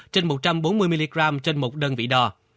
trên một trăm bốn mươi mg trên một đơn vị đo